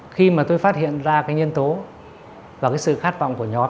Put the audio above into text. khi tôi phát hiện ra nhân tố và sự khát vọng của nhóm